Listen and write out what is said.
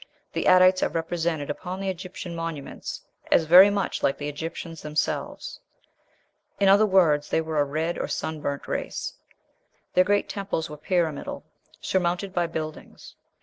The Adites are represented upon the Egyptian monuments as very much like the Egyptians themselves; in other words, they were a red or sunburnt race: their great temples were pyramidal, surmounted by buildings.